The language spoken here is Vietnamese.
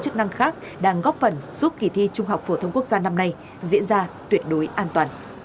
hẹn gặp lại các bạn trong những video tiếp theo